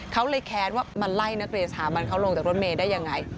เขาเลยแค้นว่ามาไล่นักเรียนสถาบันเขาลงจากรถเมย์ได้ยังไง